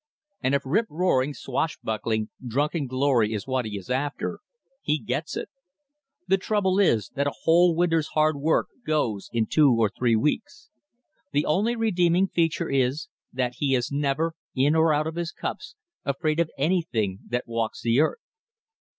And if rip roaring, swashbuckling, drunken glory is what he is after, he gets it. The only trouble is, that a whole winter's hard work goes in two or three weeks. The only redeeming feature is, that he is never, in or out of his cups, afraid of anything that walks the earth.